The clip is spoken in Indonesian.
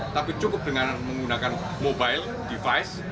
tapi cukup dengan menggunakan mobile device